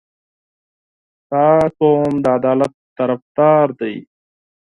• دا قوم د عدالت طرفدار دی.